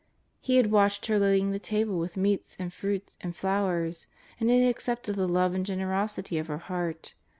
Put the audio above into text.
He had watched her loading the table with meats, and fruit, and flowers, and had accepted the love and generosity of her heart.